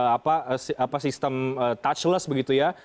apa sistem touchless begitu ya